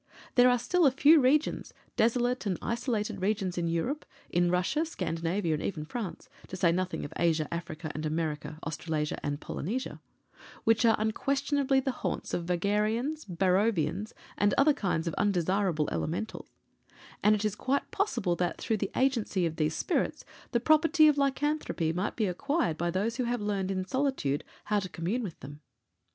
There are still a few regions desolate and isolated regions in Europe (in Russia, Scandinavia, and even France), to say nothing of Asia, Africa and America, Australasia and Polynesia which are unquestionably the haunts of Vagrarians, Barrowvians, and other kinds of undesirable Elementals, and it is quite possible that, through the agency of these spirits, the property of lycanthropy might be acquired by those who have learned in solitude how to commune with them.